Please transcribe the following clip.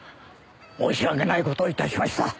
申し訳ない事をいたしました。